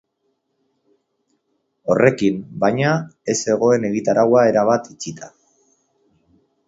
Horrekin, baina, ez zegoen egitaraua erabat itxita.